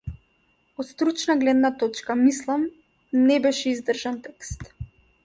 Од стручна гледна точка, мислам, не беше издржан текст.